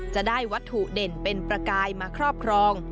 จะได้วัตถุเด่นเป็นประกายมาครอบครอง